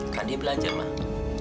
kan dia belajar mak